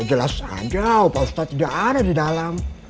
jelas aja pak ustadz tidak ada di dalam